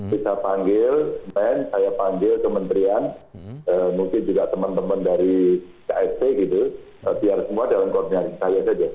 bisa panggil men saya panggil kementerian mungkin juga teman teman dari ksp gitu biar semua dalam koordinasi saya saja